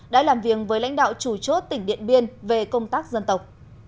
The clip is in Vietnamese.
đã làm việc với lãnh đạo chủ chốt tỉnh điện biên về công tác dân tộc